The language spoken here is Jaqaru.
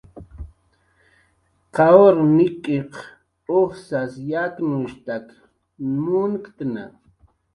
Qawr nik'iq ujsas yaknushtak munktna